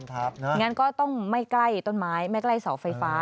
งั้นก็ต้องไม่ใกล้ต้นไม้ไม่ใกล้เสาไฟฟ้า